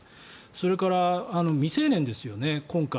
それから未成年ですよね、今回。